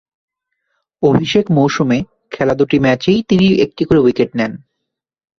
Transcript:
অভিষেক মৌসুমে খেলা দুটি ম্যাচেই তিনি একটি করে উইকেট নেন।